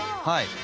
はい。